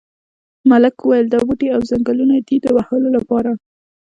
ملک وویل دا بوټي او ځنګلونه دي د وهلو لپاره.